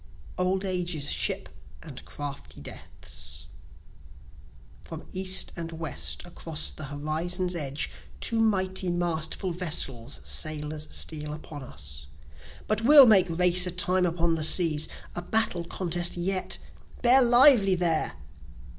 Old Age's Ship & Crafty Death's From east and west across the horizon's edge, Two mighty masterful vessels sailers steal upon us: But we'll make race a time upon the seas a battle contest yet! bear lively there!